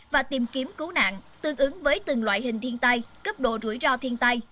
và tìm kiếm cứu nạn tương ứng với từng loại hình thiên tai cấp độ rủi ro thiên tai